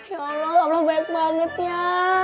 ya allah alhamdulillah banyak bangetnya